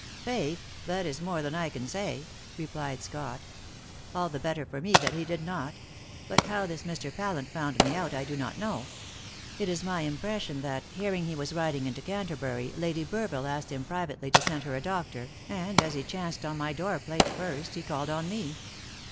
"Faith! that is more than I can say," replied Scott. "All the better for me that he did not. But how this Mr. Pallant found me out I do not know. It is my impression that, hearing he was riding into Canterbury, Lady Burville asked him privately to send her a doctor, and as he chanced on my door plate first, he called on me.